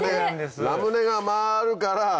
ラムネが回るから。